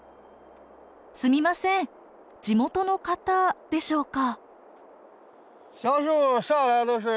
すみません地元の方でしょうか？